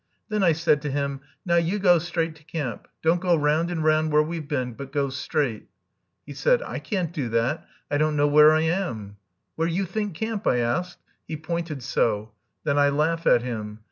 Then I said to him, 'Now you go straight to camp. Don't go round and round where we've been, but go straight.' He said, 'I can't do that, I don't know where I am.' 'Where you think camp?' I asked. He pointed so. Then I laugh at him.